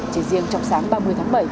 chỉ riêng trong sáng ba mươi tháng bảy